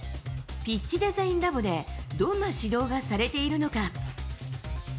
ピッチデザインラボでどんな指導がされているのか。